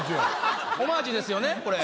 オマージュですよねこれ。